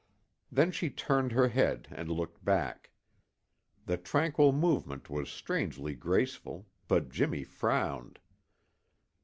Then she turned her head and looked back. The tranquil movement was strangely graceful, but Jimmy frowned.